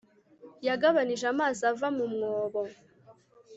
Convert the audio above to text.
yagabanije amazi ava mu mwobo